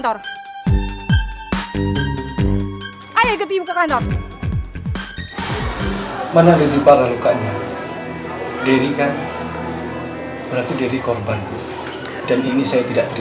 dan ini saya tidak terima